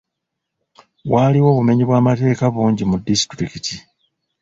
Waaliwo obumenyi bw'amateeka bungi mu disitulikiti